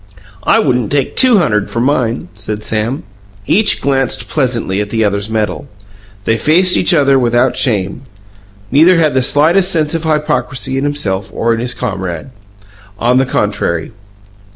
"I wouldn't take two hunderd for mine," said Sam. Each glanced pleasantly at the other's medal. They faced each other without shame. Neither had the slightest sense of hypocrisy in himself or in his comrade. On the contrary!